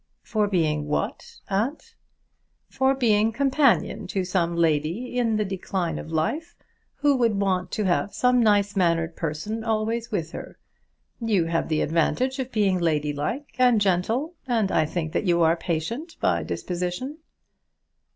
"For being what, aunt?" "For being companion to some lady in the decline of life, who would want to have some nice mannered person always with her. You have the advantage of being ladylike and gentle, and I think that you are patient by disposition."